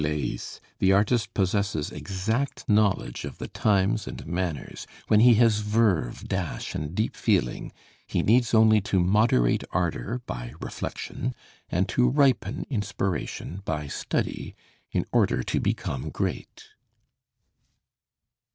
Leys, the artist possesses exact knowledge of the times and manners, when he has verve, dash, and deep feeling, he needs only to moderate ardor by reflection, and to ripen inspiration by study, in order to become great."